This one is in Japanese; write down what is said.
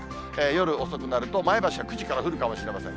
夜遅くなると、前橋は９時から降るかもしれません。